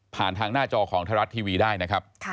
ผ่านทางหน้าจอของทรัฐรัฐทีวีได้นะครับ